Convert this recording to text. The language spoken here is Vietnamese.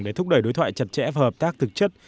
để thúc đẩy đối thoại chặt chẽ và hợp tác thực chất